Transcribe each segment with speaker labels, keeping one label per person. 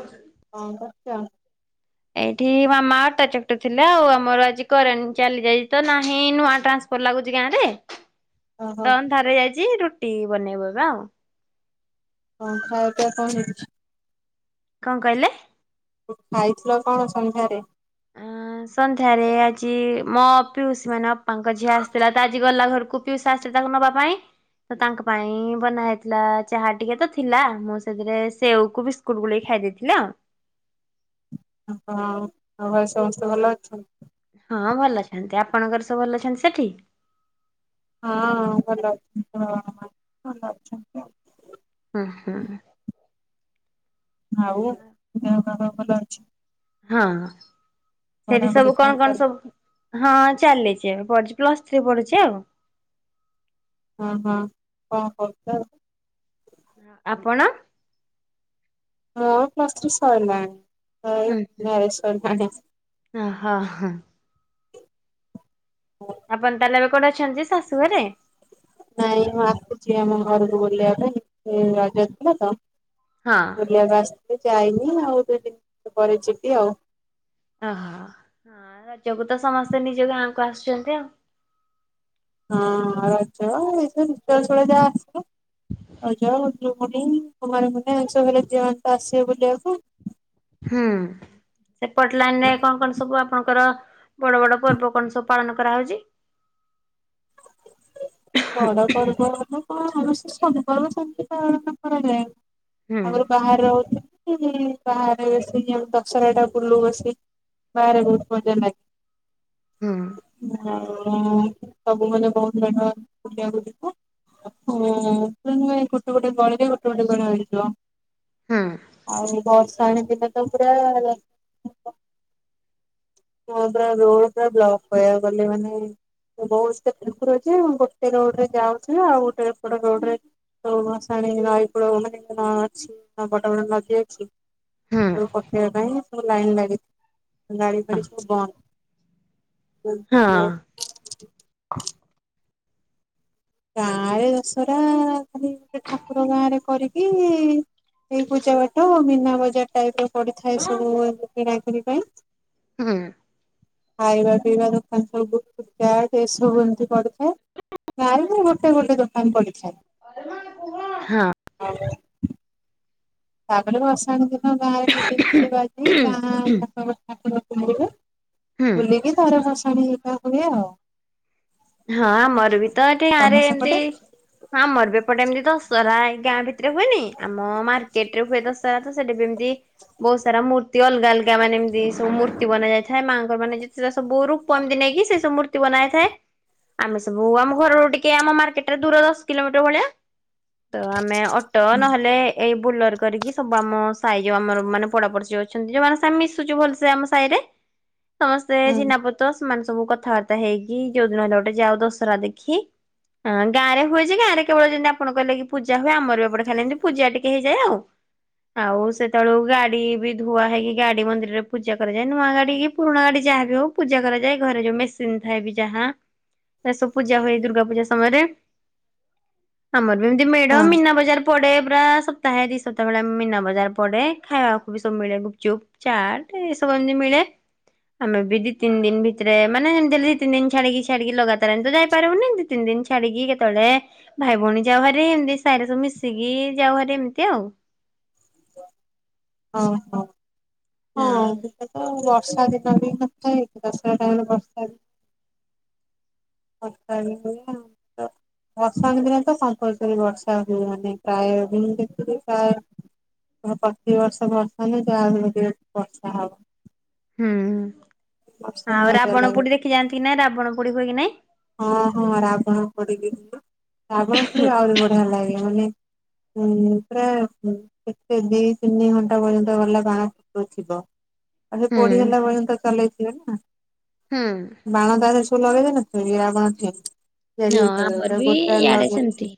Speaker 1: [unintelligible]
Speaker 2: କଣ କରୁଛ?
Speaker 1: [unintelligible] ଏଇଠି ମାମା ଅଟା ଚକଟୁ ଥିଲା। ଆଉ ଆମର ଆଜି କରେଣ୍ଟ ଚାଲିଯାଇଛି ତ ନାହିଁ ନୂଆ ଟ୍ରାନ୍ସ ବୋର ଲାଗୁଛି ଗାଁ ରେ
Speaker 2: ଓହୋ
Speaker 1: ତ ଅନ୍ଧାର ହେଇଯାଇଛି ରୁଟି ବନେଇବ ଏବେ ଆଉ।
Speaker 2: କନ ଖାଇଚ [unintelligible] ପିବା କଣ ହେଇଛି।
Speaker 1: କଣ କହିଲେ?
Speaker 2: ଉ ଖାଇଥିଲ କଣ ସନ୍ଧ୍ୟାରେ?
Speaker 1: ଅ ସନ୍ଧ୍ୟାରେ ଆଜି ମୋ ପିଉସୀ ମାନେ ଅପାଙ୍କ ଝିଅ ଆସିଥିଲା ତ ଆଜି ଗଲା ଘରକୁ। ପିଇସା ଆସି ତାକୁ ନବା ପାଇଁ। ତ ତାଙ୍କ ପାଇଁ ବନା ହେଇଥିଲା ଚାହା ଟିକେ ତ ଥିଲା ମୁଁ ସେଥିରେ ସେଓକୁ ବିସ୍ ବିସ୍କୁଟ ଗୁଳେଇ ଖାଇ ଦେଇଥିଲା ଆଉ।
Speaker 2: ଓହୋ, ଆଉ ଘରେ ସମସ୍ତେ ଭଲ ଅଛନ୍ତି?
Speaker 1: ହଁ ଭଲ ଅଛନ୍ତି। ଆପଣଙ୍କର ସବୁ ଭଲ ଅଛନ୍ତି ସେଠି?
Speaker 2: ହଁ ଭଲ ଅଛନ୍ତି ହଁ ଭଲ ଅଛନ୍ତି।
Speaker 1: ଉଁ ହୁଁ।
Speaker 2: ଆଉ ଦେହ ପା ସବୁ ଭଲ ଅଛି?
Speaker 1: ହଁ ସେଠି
Speaker 2: ପଢାପଢି
Speaker 1: ସବୁ କଣ କଣ କହନି
Speaker 2: ଚାଲିଛି?
Speaker 1: ସବୁ ହଁ ଚାଲିଛି ଏ ପଢୁଛି ପ୍ଲସ୍ ଥ୍ରୀ ପଢୁଛି ଆଉ।
Speaker 2: ହଁ ହଁ, କଣ କରୁଛ ଏବେ?
Speaker 1: ଆପଣ?
Speaker 2: ମୋର ପ୍ଲସ୍ ଥ୍ରି ଶଇଲାଣି। ଆଉ ମ୍ୟାରେଜ୍ ଶରିଲାଣି?
Speaker 1: ହ ହଁ ହ। ଆପଣ ତାହେଲେ ଏବେ କୋଉଠି ଅଛନ୍ତି ଶାଶୁ ଘରେ?
Speaker 2: ନାଇଁ ମୁଁ ଆସୁଛି ଆମ ଘରକୁ ବୁଲିବା ପାଇଁ ସେ ରଜ ଥିଲା ତ?
Speaker 1: ହଁ।
Speaker 2: ବୁଲିବାକୁ ଆସିଥିଲି ଯାଇନି ଆଉ ଦୁଇ ତିନି ପରେ ଯିବି ଆଉ।
Speaker 1: ଓହୋ। ହଁ ରଜକୁ ତ ସମସ୍ତେ ନିଜ ଗାଁକୁ ଆସୁଛନ୍ତି ଆଉ।
Speaker 2: ହଁ ରଜ ଏସବୁ ଯାହା ରିସେ ଯା ଆସିବ। ରଜ, ଖୁଦୁରୁକୁଣିି, କୁମାରୀପୂର୍ଣ୍ଣିମା ଏମିତି ସବୁ ହେଲେ ଝିଅ ମାନେ ତ ଆସିବେ ବୁଲିବାକୁ।
Speaker 1: ହୁଁ ସେପଟ ଲାଇନ୍ ରେ କଣ କଣ ସବୁ ଆପଣଙ୍କର ବଡ ବଡ ପର୍ବ କଣ ସବୁ ପାଳନ କରାହୋଉଛି? ହୁଁ
Speaker 2: ବଡ଼ ପର୍ବ କଣ ଆମର ତ ସବୁ ପର୍ବ ସେମିତି ପାଳନ କରାଯାଏ। ଆଗରୁ
Speaker 1: ହୁଁ
Speaker 2: ବାହାରେ ରହୁଥିଲି ବାହାରେ ବସି ଦଶରା ଟା ବୁଲୁ ବସି ବାହରେ ବୁଲୁ ମଜା ଲାଗେ।
Speaker 1: ହୁଁ।
Speaker 2: ଆଉ ସବୁ ମାନେ ବୋହୁତ୍ ଜାଗା ବୁଲିଆକୁ ଯିବୁ। ଆକୁ ଗୋଟେ ଗୋଟେ ଗଳୀରେ ଗୋଟେ ଗୋଟେ ମେଢ଼ ହେଇଥିବ।
Speaker 1: ହୁଁ।
Speaker 2: ଆଉ ଭସାଣି ଦିନ ତ ପୁରା ହ ପୁରା ରୋଡ ପୁରା ବ୍ଲକ୍ କହିବକୁ ଗଲେ ମାନେ ବହୁତ [unintelligible] ଅଛି। ସେ ରୋଡ୍ ରେ ଯାଉ ଥିଲା, ଆଉ ଗୋଟେ ରୋଡ ରେ ସବୁ ଭାସାଣି ନଈପୋଡ ମାନେ ନଁ ଅଛି ହଁ ବଡ ବଡ ନଦୀ ଅଛି।
Speaker 1: ହୁଁ
Speaker 2: ସବୁ ପକେଇବା ପାଇଁ ସବୁ ଲାଇନ୍ ଲାଗିଛି, ଗାଡି
Speaker 1: ହଁ
Speaker 2: ଫାଡ଼ି ସବୁ ବନ୍ଦ। ହୁଁ
Speaker 1: ହଁ
Speaker 2: ସେ ଗାଁ ରେ ଦଶରା ଖାଲି ଗୋଟେ ଠାକୁର ଗାଁରେ କରିକି ଏଇ ପୂଜା ପାଠ ମୀନା ବଜାର ଟାଇପ୍ ପଡିଥାଏ ସବୁ କିଣାକଣି ପାଇଁ।
Speaker 1: ହୁଁ।
Speaker 2: ଖାଇବା ପିଇବା ଦୋକାନ ସବୁୁଟ ଏସବୁ ଏମିତି ପଡ଼ିଥାଏ। ଗାଁରେ ବି ଗୋଟେ ଗୋଟେ ଦୋକାନ ପଡିଥାଏ।
Speaker 1: ହଁ।
Speaker 2: [unintelligible] ତାପରେ ବର୍ଷା ଦିଦିଙ୍କ ଗାଁ ରେ କିଏ ଦେଖିବାକୁ
Speaker 1: ହୁଁ
Speaker 2: ଆଇ ବି କଣ ଠାକୁର ଫାକୁର ବୁଲିବେ।
Speaker 1: ହୁଁ।
Speaker 2: ବୁଲିକି ତା ପରେ ଭସାଣି [unintelligible]
Speaker 1: ହଁ ଆମର ବି ତ ଏଠି ଗାଁ ରେ
Speaker 2: ତମ
Speaker 1: ଏମିତି।
Speaker 2: ସେପଟେ?
Speaker 1: ଆମର ବି ଏପଟେ ଏମତି ଦଶହରା ଏଇ ଗାଁ ଭିତ ହୁଏନି। ଆମ ମାର୍କେଟରେ ହୁଏ ଦଶରା ତ ସେଟା ବି ଏମିତି ବହୁ ସାରା ମୂର୍ତ୍ତି ଆଲଗା ଅଲଗା ମାନେ ଏମିତି ଏସବୁ ମୂର୍ ମୂର୍ତ୍ତି ବନା ଯାଇଥାଏ ମାଙ୍କ ମାନେ ଯେତେ ସବୁ ରୂପ ଏମିତି ନେଇକି ସେ ସବୁ ମୂର୍ତ୍ତି ବନାଯାଇଥାଏ। ଆମେ ସବୁ ଆମ ଘରରୁ ଟିକେ ଆମ ମାର୍କେଟରେ ଦୂର ଦଶ କିଲୋମିଟର ଭଳିଆ। ତ ଆମେ ଅଟ ନ ହେଲେ ଏଇ ବୁଲର୍ କରିକି ସବୁ ଆମ ସାାଇ ଯୋଉ ଆମର ମାନେ ପଡାପଡୋଶି ଯଉ ଅଛନ୍ତି, ଯୋଉମାନେ ସା ମିଶୁଛୁ ଭଲସେ ଆମ ସାହିରେ ସମସ୍ତେ
Speaker 2: ହଁ
Speaker 1: ଚିନାପତ ସେମାନେ ସବୁ କଥାବାର୍ତ୍ତା ହେଇକି ଯୋଉଦିନ ଯାଉ ଦଶରା ଦେଖି। ହଁ ଗାଁରେ ହୁଏ ଯେ ଗାଁରେ କେବଳ ଯେନ୍ତି ଆପଣ କିହିଲେ କି ପୂଜା ହୁଏ, ଆମର ଏପଟେ ଖାଲି ଏମିତି ପୂଜା ଟିକେ ହେଇଯାଏ ଆଉ। ଆଉ ସେତେବେଳକୁ ଗାଡି ବି ଧୁଆ ହେଇକି ଗାଡି ମନ୍ଦିରରେ ପୂଜା କରାଯାଏ। ନୂଆ ଗାଡି କି ପୁରୁଣା ଗାଡି ଯାହା ବି ହଉ ପୂଜା କରାଯାଏ। ଘରେ ଯୋଉ ମେସିନ୍ ଥାଏ ବି ଯାହା ଏସବୁ ପୂଜା ହୁଏ ଦୁର୍ଗା ପୂଜା ସମୟରେ। ଆମର ବି ଏମତି ମେଡ
Speaker 2: ହଁ
Speaker 1: ମନା ବଜାର ପଡେ ପୁରା ସପ୍ତାହେ ଦି ସପ୍ତାହ ଭଳିଆ ମୀନା ବଜାର ପଡେ। ଖାଇବା ବି ସବୁ ମିଳେ ଗୁପଚୁପ୍, ଚାଟ୍ ଏ ସବୁ ଏମିତି ମିଳେ। ଆମେ ବି ଦି ତିନ୍ ଦିନ୍ ଭିତରେ ମାନେ ଏମିତି ଡେଲି ଦି ତିିନ୍ଦିନ୍ ଛାଡିକ କି ଛାଡିକି ଲଗାତାର ଏମ୍ତି ତ ଯାଇ ପାରିବୁନି ଦି ତିନ୍ଦିନ୍ ଛାଡିକି କେତେବେଳେ ଭାଇ ଭଉଣୀ ଯାଉ ଭାରି। ଏନ୍ତି ସାଇରେ ସବୁ ମିଶିକି ଯାଉ ଭାରି ଏମିତି ଆଉ।
Speaker 2: ଓହୋ। ହଁ ସେଟା ତ ବର୍ଷାଦିନ ସରି ନ ଥାଏ। ଦଶରା ଟାଇମ ରେ ବର୍ଷା [unintelligible] ବର୍ଷା ଦିନ ତ କମ୍ପୋଲଶୋରି ବର୍ଷା ହୁଏ ମାନେ ପ୍ରାୟ [unintelligible] ପ୍ରତିିବର୍ଷ ବର୍ଷା ହିଁ ଯାହା ହେଲେ ବି ବର୍ଷା ହବ।
Speaker 1: ହୁଁ ହୁଁ
Speaker 2: ବର୍ଷା
Speaker 1: ଆଉ
Speaker 2: ମଜା
Speaker 1: ରାବଣ
Speaker 2: ଲାଗେ।
Speaker 1: ପୋଡି ଦେଖି ଯାଆନ୍ତି ନା ରାବଣ ପୋଡି ହୁଏ କି ନାଇଁ।
Speaker 2: ହଁ ହଁ ରାବଣ ପୋଡିକି। ରାବଣ ପୋଡି ଆହୁରି ବଢିଆ ଲାଗେ ମାନେ ହୁଁ ପୁରା ଏତେ ଦି ତିନି ଘଣ୍ଟା ପର୍ଯ୍ୟନ୍ତ ଗଲା ବାଣ ଫୁଟୁ ଥିବ। ଆଉ ସେ ପୋଢି
Speaker 1: ହୁଁ।
Speaker 2: ହେଲା ପର୍ଯ୍ୟନ୍ତ ଚଲେଇଥିବେ ନା।
Speaker 1: ହଁ।
Speaker 2: ବାଣ ତାଧିରେ ସବୁ ଲଗେଇ ଦେଇନଥିବେ କି ରାବଣ ଠେଇଁ।
Speaker 1: ହଁ ଆମର
Speaker 2: [unintelligible]
Speaker 1: ବି
Speaker 2: ଗୋଟେ
Speaker 1: ଇଆଡେ ସେମିତି।
Speaker 2: ଲଗେଇଛି।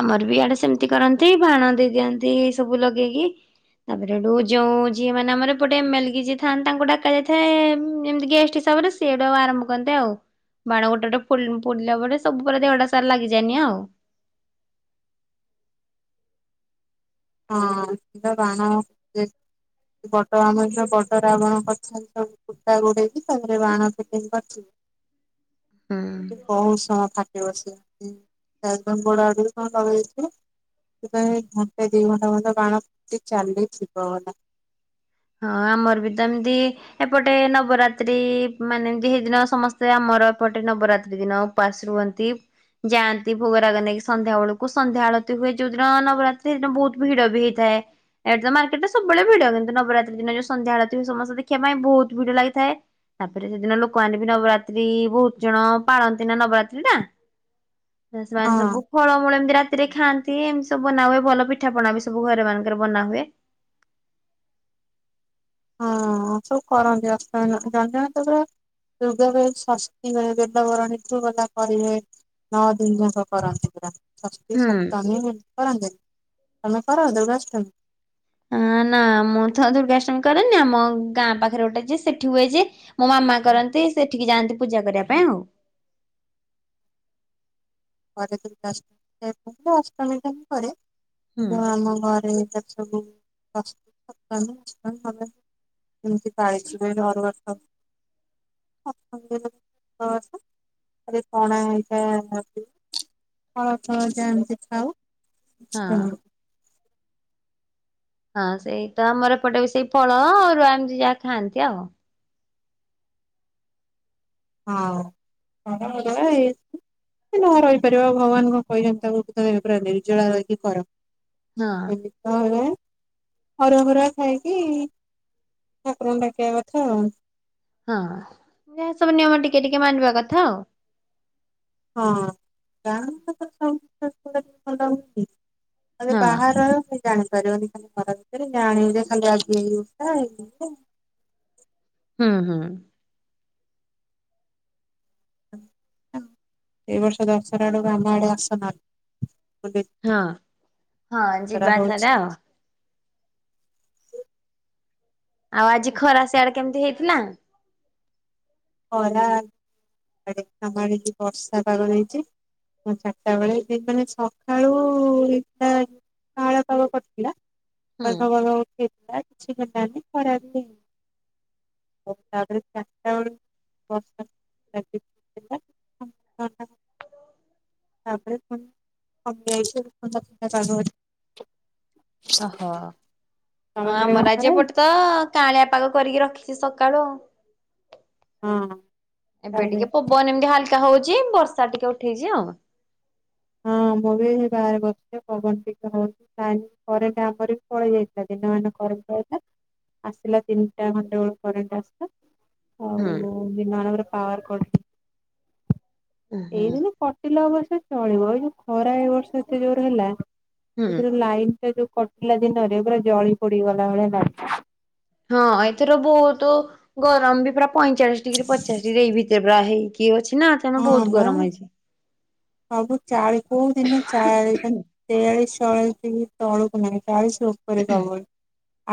Speaker 1: ଆମର ବି ଆଡେ ସେମିତି କରନ୍ତି। ବାଣ ଦେଇଦିଅନ୍ତି ସବୁ ଲଗେଇକି। ତାପରେ ସୋଉଟୁ ଯୋଉ ଯିଏ ମାନେ ଆମର ଏପଟେ ଗୋଟେ ଏମ ଏଲ କି ଯିଏ ଥାନ୍ତି ତାଙ୍କୁ ଡକା ଯାଇଥାଏ ଏମତି ଗେଷ୍ଟ୍ ହିସାବରେ। ସେଟାକୁ ଆରମ୍ଭ କରନ୍ତେ ଆଉ। ବାଣ ଗୋଟେେ ଫୁଡିଲା ପରେ ସବୁ ପରେ ଦେହଟା ସାରା ଲାଗିଯାଏ ନିଆଁ ଆଉ।
Speaker 2: ହଁ ସେ ତ ବାଣ ସେ ବଡ ଆମର ଯୋଉ ବଡ ରାବଣ କରିଥାନ୍ତି ସବୁ କୁଟା ଗୁଡେଇ କି, ତାପରେ ବାଣ ଫିଟିଙ୍ଗ୍ କରିଥିବେ।
Speaker 1: [inaudible]
Speaker 2: ସେ ବହୁ ସମୟ ଫା ଟିବ ସିଏ। [unintelligible] ଗୋଡ ଆଡୁ କଣ ଲଗେଇ ଦେଇଥିବ [unintelligible] ଘଣ୍ଟା ଦି ଘଣ୍ଟା ଘଣ୍ଟେ ବାଣ ଫୁଟି ଚାଲିଥିବ ଗଲା।
Speaker 1: ହଁ ଆମର ବି ତ ଏମିତି ଏପଟେ ନବରାତ୍ରି ମାନେ ଦିହି ଦିନ ସମସ୍ତେ ଆମର ଏପଟେ ନବରାତ୍ରି ଦିନ ଉପାସ ରୁହନ୍ତି। ଯାଆନ୍ତି ଭୋଗରାଗ ନେଇକି ସନ୍ଧ୍ୟା ବେଳକୁ ସନ୍ଧ୍ୟା ଆଳତି ହୁଏ ଯୋଉଦିନ ନବରାତ୍ରି ସେଇଦିନ ବହୁତ ଭିଡ ବି ହେଇଥାଏ। ଏଇଠି ତ ମାର୍କେଟରେ ସବୁବେଳେ ଭିଡ କିନ୍ତୁ ନବରାତ୍ରି ଦିନ ଯୋଉ ସନ୍ଧ୍ୟାବେଳେ ସମସ୍ତେ ଦେଖିବା ପାଇଁ ବହୁତ ଭିଡ ଲାଗିଥାଏ ତାପରେ ସେଦିନ ଲୋକମାନେ ବି ନବରାତ୍ରି ବହୁତ ଜଣ ପାଳନ୍ତି ନା ନବରାତ୍ରି ଟା। ସେମାନେ ସବୁ
Speaker 2: ହଁ
Speaker 1: ଫଳମୂଳ ଏମିତି ରାତିରେ ଖାଆନ୍ତି ଏମିତି ସବୁ ବନାହୁଏ ଭଲ ପିଠାପଣା ବି ସବୁ ଘରେ ମାନଙ୍କରେ ବନାହୁଏ।
Speaker 2: ହଁ ସବୁ କରନ୍ତି ଆସ ପାଇଁ ଜାଣି ତ ପୁର ଯୁଗ ବ ଷଷ୍ଠୀ ହୁଏ ବେଲବରଣୀ ତୁଗଲା କରିହେ। ନଅ ଦିନ ଯାକ କରନ୍ତି ପୁରା। ଷଷ୍ଠୀ
Speaker 1: ହୁଁ
Speaker 2: ସ୍ତପ୍ତ ମମୀ କରନ୍ତି ତମେ କର ଦୁର୍ଗାଷ୍ଟମୀ।
Speaker 1: ନା ମୁଁ ତ ଦୁର୍ଗାଷ୍ଟମି କରେନି ଆମ ଗାଁ ପାଖରେ ଗୋଟେ ଯେ ସେଠି ହୁଏ ଯେ ମୋ ମାମା କରନ୍ତି ସେଠିକି ଯାଆନ୍ତି ପୂଜା କରିବା ପାଇଁ ଆଉ
Speaker 2: ପରେ ଦୂର୍ଗାର୍ଷ୍ଟମୀ ଅଷ୍ଟମୀ ଟା ପରେ
Speaker 1: ହୁଁ
Speaker 2: ଆମ ଘରେ। [inaudible] ତମତି ଚାଳିଶ ବେ ଘର ବର୍ଷ। [inaudible] ପଣା ହେଇଥାଏ [inaudible] ହଁ ହ ଯାଣିନ୍ତି ଖାଉ
Speaker 1: ହଁ।
Speaker 2: ହ
Speaker 1: ହଁ ସେଇ ତ ଆମର ଏପଟେ ବି ସେଇ ଫଳ ଅରୁଆ ଏମିତି ଯାହା ଖାଆନ୍ତି ଆଉ।
Speaker 2: ହଁ [inaudible] ଯଦି ନ ରହିପାରିବ ଭଗବାନ କଣ କହିଛନ୍ତି ନିର୍ଜଳା ରହିକି କର।
Speaker 1: ହଁ
Speaker 2: ଏମିତି ତ ଅରୁଆଫରୁଆ ଖାଇକି। ଠାକୁରଙ୍କୁ ଡାକିବା କଥା ଆଉ।
Speaker 1: ହଁ ଯ ସବୁ ନିୟମ ଟିକେ ଟିକେ ମାନିବା କଥା ଆଉ।
Speaker 2: ହଁ ଗାଁ ତ ଭଲ [inaudible] ଆରେ
Speaker 1: ହଁ
Speaker 2: ବାହାରର ଜାଣିପାରିବନି ଖାଲି ଖରା ଭିତରେ ଜାଣିବୁ ଯେ ଖାଲି ଆଜି ଏଇା ହେଇ।
Speaker 1: ହୁଁ ହୁଁ।
Speaker 2: ଏ ବର୍ଷ ଦଶହରା ଆଡକୁ ଆମ ଆଡେ ଆସୁନାହାନ୍ତି
Speaker 1: ହଁ ହଁ
Speaker 2: ଦଶହରା
Speaker 1: ଯିବା
Speaker 2: ହଉଛି
Speaker 1: ଥରେ ଆଉ। ଆଉ ଆଜି ଖରା ସେଆଡେ କେମିତି ହେଇଥିଲା।
Speaker 2: [inaudible] ବର୍ଷା ପାଗ ହେଇଛି। ଚାରିଟା ବେଳେ ମାନେ ସକାଳୁ ଏଇଟା। [unintelligible] କଳବ
Speaker 1: ହୁଁ
Speaker 2: କରିଥିଲା। କିଛି ହେଲାନି ଥରେ ଅଧେ ତାପରେ ବର୍ଷା ଲାଗିଥିଲା [inaudible]
Speaker 1: ଓହୋ
Speaker 2: ତମ ସିଆଡେ କଣ
Speaker 1: ଆମର ଆଜି
Speaker 2: ଖରା
Speaker 1: ଏପଟେ
Speaker 2: ହେଇଛି?
Speaker 1: ତ କାଳିଆ ପାଗ କରିକି ରଖିଛି ସକାଳୁ ଆଉ।
Speaker 2: ହଁ
Speaker 1: ଏବେ
Speaker 2: ତାହେଲେ
Speaker 1: ଟିକେ ପବନ ଏମିତି ହାଲକା ହଉଛି ବର୍ଷା ଟିକେ ଉଠେଇଛି ଆଉ।
Speaker 2: ହଁ ମୁଁ ବି ବାହାରେ ବସିଛି ପବନ ଟିକେ ହଉଛି। ତା ପରେ କାମରେ ବି ପଳେଇ ଯାଇଥିଲା ଦିନମାନ [inaudible] ଆସିଲା ତିନିଟା ଖଣ୍ଡେ ବେଳକୁ କରେଣ୍ଟ ଆସିଲା। ହଉ
Speaker 1: ହୁଁ
Speaker 2: ହଉ ଦିନରେ ପାୱାର୍ କଟ।
Speaker 1: ହୁଁ
Speaker 2: ଏଇଦିନ କଟିଲ ଅବର୍ଷ ଚଳିବ ଏଇ ଯୋଉ ଖରା ଏ ବର୍ଷ ଏତେ ଯୋର ହେଲା।
Speaker 1: ହୁଁ
Speaker 2: ସେଥି ଲାଇନଟା ଯୋଉ କଟିଲା ଦିନରେ ପୁରା ଜଳି ପଡିଗଲା ଭଳିଆ ଲାଇ
Speaker 1: ହଁ ଏଥିର ବହୁତ ଗରମ ବି ପୁରା ପଇଁଚାଳିଶ ଡିଗ୍ରୀ ପଚାଶ ଡିଗ୍ରୀ ଏଇ ଭିତରେ ପୁରା ହେଇକି କି ଅଛି ନା ଆପଣ
Speaker 2: ଲାଗିଲା ହଁ
Speaker 1: ବହୁତ
Speaker 2: ବା
Speaker 1: ଗରମ ହେଇଛି।
Speaker 2: ସବୁ ଚାଳିି କୋଉ ଦିନ ଚାଳି ତେୟାଳିଶି ଚଉରାଳିଶି ଡିଗ୍ରି ତଳୁକୁ ନାହିଁ ଚାଳିଶି ଉପରେ ସବୁ ବେଳେ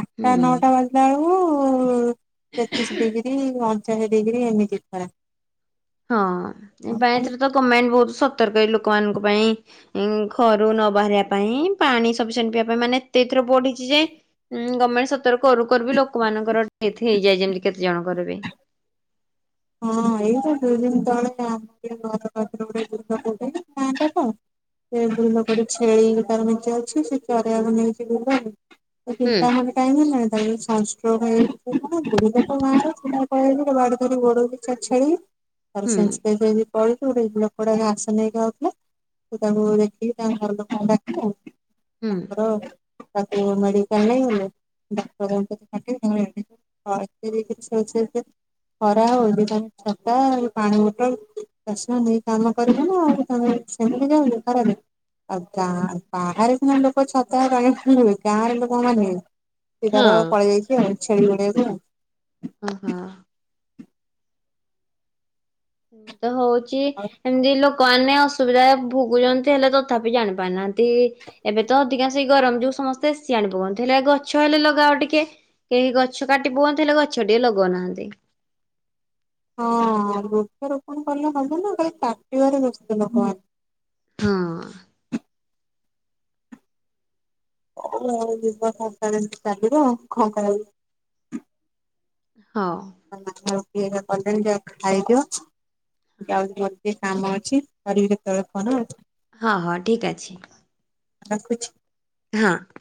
Speaker 2: ଆଠଟା
Speaker 1: ହୁଁ
Speaker 2: ନଅଟା ବାଜିଲା ବେଳକୁ ତେତିଶି ଡିଗ୍ରୀ ଅଣଚାଳିଶି ଡିଗ୍ରୀ ଏମିତି ଖରା।
Speaker 1: ହଁ ଏଇଥି ପାଇଁ
Speaker 2: ହଁ
Speaker 1: ତ ଗମେଣ୍ଟ ବହୁତ ସତର୍କ ଏଇ ଲୋକମାନଙ୍କ ପାଇଁ ଉଁ ଘରୁ ନ ବାହାରିବା ପାଇଁ ପାଣି ସପିସେଣ୍ଟ ପିଇବା ପାଇଁ ମାନେ ଏତେ ଏଥର ବଢିଛି ଯେ ଗର୍ଣ୍ଣମେଣ୍ଟ ସତର୍କ କରୁ କରୁ ବି ଲୋକମାନଙ୍କର ଡେଥ ହେଇଯାଏ ଏମିତି କେତେ ଜଣଙ୍କର ବି।
Speaker 2: ହଁ ଏଇ ତ ଦୁଇ ଦିନି ତଳେ ଆମ ସେ ଘର ପାଖର ଗୋଟେ [unintelligible] ସେ ବୁଢୀ ଲୋକଟେ ଛେଳି ତାର ମେଞ୍ଚେ ଅଛି ସେ ଚରେଇଆକୁ ନେଇକି ବୁଲାନ୍ତି ସେ
Speaker 1: ହୁଁ
Speaker 2: ତିନଟା ଖଣ୍ଡେ କାହିଁକି ନା ତାକୁ ସନଷ୍ଟ୍ରୋକ ହେଇକି ବୁଢି ଟା ତ ଗାଁର ପିଲା କହିବା କଥା ବାଡି ଧରିକି ଗୋଡଉଛି।
Speaker 1: ହୁଁ
Speaker 2: [unintelligible] ତଳୁକୁ ଗୋଟେ ଲୋକଟା ଘାସ ନେଇକି ଆଉଥିଲେ ସେ ତାଙ୍କୁ ଦେଖିକି ତାଙ୍କ ଘର ଲୋକଙ୍କୁ ଡାକ [unintelligible]
Speaker 1: ହୁଁ
Speaker 2: ତାଙ୍କର ତାକୁ ମେଡିକାଲ ନେଇଗଲେ ଡାକ୍ତରଙ୍କ ପାଖେ ସେମାନେ ଆଡମିଟ ପଇଁତିରିଶି ଛୁଇଁ ଛୁଇଁକା ଖରା ହଉଛି। ଛତା, ପାଣି ବୋଟଲ, ଚଷମା ନେଇ କାମ କରିବନା ଆହୁରୀ ତମେ ସେମିତି ଯାଉନି [unintelligible] ଆଉ ଗାଁ ବାହାରେ ସିନା ଲୋକ ଛତା, ପାଣିବୋତଲ ନେବେ ଗାଁରେ ଲୋକମାନେ ସେ ତାର
Speaker 1: ହଁ
Speaker 2: ପଳେଇ ଯାଇଛି ଆଉ ଛେଳି ଗୋଡେଇବା ପାଇଁ।
Speaker 1: ଆହାଃ। ମୁଁ ତ ହଉଛି ଏମିତି ଲୋକମାନେ ଅସୁବିଧା ଭୁଗୁଛନ୍ତି ହେଲେ ତଥାପି ଜାଣି ପାରୁନାହାନ୍ତି। ଏବେ ତ ଅଧିକାଂଶ ଏଇ ଗରମ ଯୋଗୁ ସମସ୍ତେ ଏ ସି ଆଣି ପକାଉଛନ୍ତି ହେଲେ ଗଛ ହେଲେ ଲଗାଅ ଟିକେ। କେହି ଗଛ କାଟି ପକଉଛନ୍ତି ହେଲେ ଗଛ ଟିଏ ଲଗଉନାହାନ୍ତି।
Speaker 2: ହଁ ବୃକ୍ଷ ରୋପଣ କଲେ ହବ ନା ଖାଲି କାଟିବାରେ ବ୍ୟସ୍ତ ଲୋକ ମାନେ।
Speaker 1: ହଁ।
Speaker 2: ହଉ ଆଉ ଯୁଗ ସଂସ୍ଥା ଯେମିତି ଚାଲିବ ଆଉ କଣ କରାଯିବ।
Speaker 1: ହଁ।
Speaker 2: ମାମା ରୁଟି ହେରିକା କଲେଣି ଯାଅଖାଇଦିଅ, ଯାଉଛି ମୋର ଟିକେ କାମ ଅଛି କରିବି କେତବେଳେ ଫୋନ ଆଉ।
Speaker 1: ହଁ ହଁ ଠିକ୍ ଅଛି।
Speaker 2: ରଖୁଛି।
Speaker 1: ହଁ।